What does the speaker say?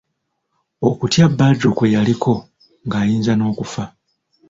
Okutya Badru kwe yaliko ng'ayinza n'okufa.